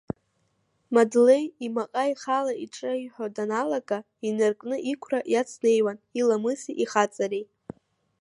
Мадлеи имаҟа ихала иҿеиҳәо даналага инаркны иқәра иацнеиуан иламыси ихаҵареи.